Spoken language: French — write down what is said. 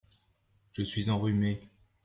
Je suis enrhumé.